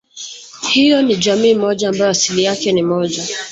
Hiyo ni jamii moja ambayo asili yake ni moja